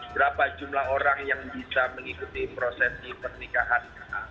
berapa jumlah orang yang bisa mengikuti prosesi pernikahan